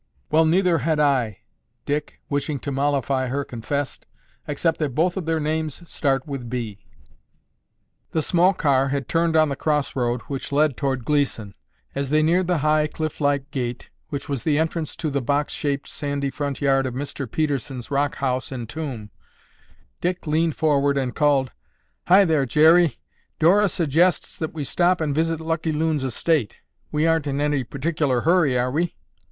"Well, neither had I," Dick, wishing to mollify her, confessed, "except that both of their names start with B." The small car had turned on the cross road which led toward Gleeson. As they neared the high cliff like gate which was the entrance to the box shaped sandy front yard of Mr. Pedergen's rock house and tomb, Dick leaned forward and called, "Hi there, Jerry! Dora suggests that we stop and visit Lucky Loon's estate. We aren't in any particular hurry, are we?"